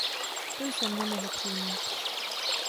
To jsem nemohl přijmout.